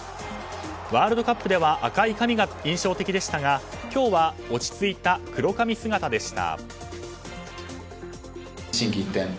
ワールドカップでは赤い髪が印象的でしたが今日は、落ち着いた黒髪姿でした。